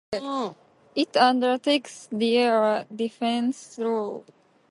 It undertakes the air defence role.